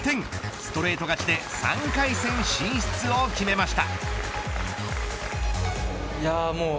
ストレート勝ちで３回戦進出を決めました。